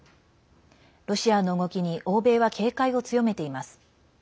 ロシアの動きに欧米は警戒を強めています。